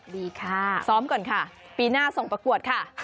ดีค่ะซ้อมก่อนค่ะปีหน้าส่งประกวดค่ะ